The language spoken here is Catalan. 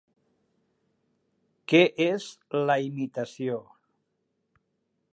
Què és la imitació?